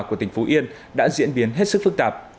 của tỉnh phú yên đã diễn biến hết sức phức tạp